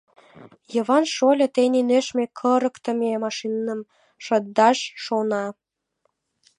Йыван шольо тений нӧшмӧ кырыктыме машиным шындаш шона.